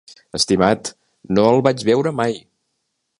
Estimat, no el vaig veure mai.